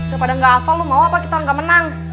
daripada gak hafal lu mau apa kita gak menang